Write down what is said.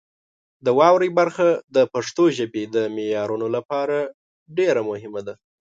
د واورئ برخه د پښتو ژبې د معیارونو لپاره ډېره مهمه ده.